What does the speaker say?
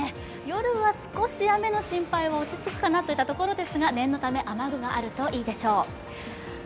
夜は少し雨の心配は落ち着くかなといったところですが念のため雨具があるといいでしょう。